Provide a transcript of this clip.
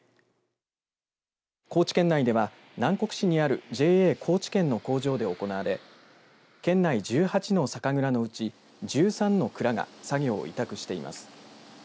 高知県内では南国市にあるＪＡ高知県の工場で行われ県内１８の酒蔵のうち１３の蔵が作業を委託しています。